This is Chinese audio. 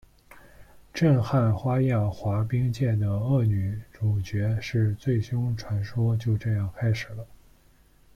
震撼花样滑冰界的恶女主角的最凶传说就这样开始了！